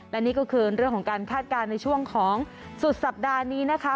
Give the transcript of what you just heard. และนี่ก็คือเรื่องของการคาดการณ์ในช่วงของสุดสัปดาห์นี้นะคะ